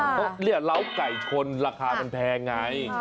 เพราะเนี่ยเล้าไก่ชนราคามันแพงไง